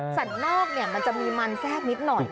สันนอกเนี่ยมันจะมีมันแซ่บนิดหน่อย